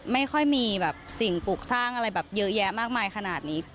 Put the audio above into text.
ไม่ค่อยมีแบบสิ่งปลูกสร้างอะไรแบบเยอะแยะมากมายขนาดนี้